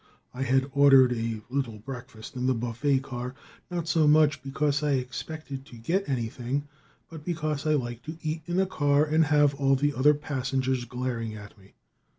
I had ordered a little breakfast in the buffet car, not so much because I expected to get anything, but because I liked to eat in a car and have all the other passengers glaring at me.